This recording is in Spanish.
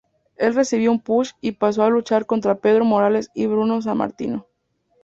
Él recibió un push y paso a luchar contra Pedro Morales y Bruno Sammartino.